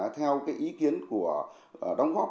theo ý kiến của đồng góp